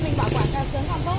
cái này thì có lâu không chị